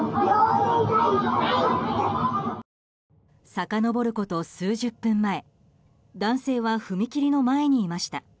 さかのぼること数十分前男性は踏切の前にいました。